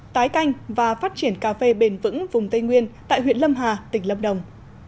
tái canh và phát triển cà phê bền vững vùng tây nguyên tại huyện lâm hà tỉnh lâm đồng